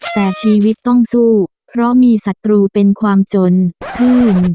แต่ชีวิตต้องสู้เพราะมีศัตรูเป็นความจนขึ้น